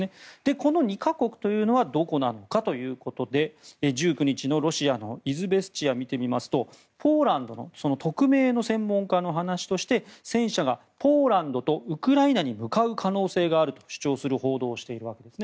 この２か国というのはどこなのかということで１９日のロシアのイズベスチヤを見てみますとポーランドの匿名の専門家の話として戦車がポーランドとウクライナに向かう可能性があるという報道をしています。